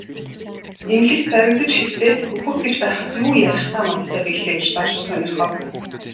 Эмнэлэгт баригдаж хэвтээд үхэх гэж байхад юу ярихтай мантай билээ гэж Дорж тунирхав.